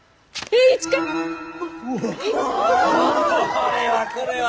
これはこれは。